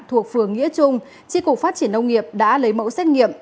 thuộc phường nghĩa trung tri cục phát triển nông nghiệp đã lấy mẫu xét nghiệm